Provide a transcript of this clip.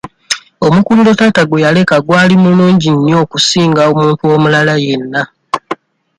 Omukululo taata gwe yaleka gwali mulungi nnyo okusinga omuntu omulala yenna.